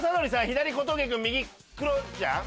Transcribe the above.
左小峠君右クロちゃん？